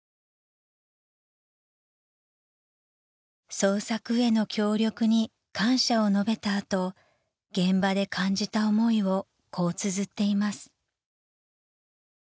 ［捜索への協力に感謝を述べた後現場で感じた思いをこうつづっています］